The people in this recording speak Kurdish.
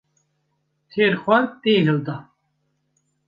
Têr xwar tê hilda